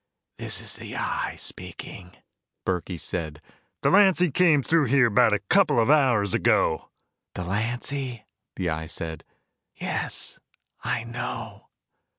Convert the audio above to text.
"This is the Eye speaking." Burkey said, "Delancy came through here about a couple of hours ago." "Delancy?" the Eye said. "Yes, I know."